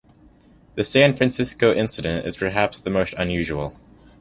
The San Francisco incident is perhaps the most unusual.